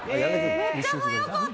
めっちゃ速かった。